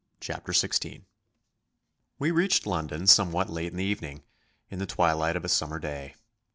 CHAPTER SIXTEEN We reached London somewhat late in the evening in the twilight of a summer day.